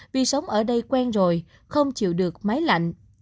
vì sống ở đây quen rồi không chịu được máy lạnh